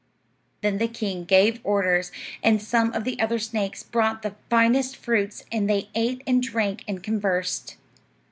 Then the king gave orders, and some of the other snakes brought the finest fruits, and they ate and drank and conversed.